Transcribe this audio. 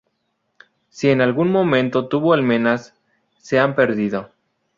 Si en algún momento tuvo almenas, se han perdido.